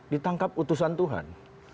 ditangkap utusan tuhan